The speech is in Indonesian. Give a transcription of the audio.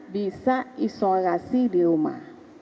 bisa isolasi di rumah